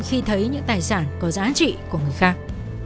khi thấy những tài sản có giá trị của người khác